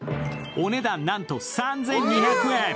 お値段なんと３２００円。